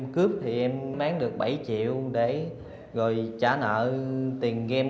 cướp thì em bán được bảy triệu để rồi trả nợ tiền game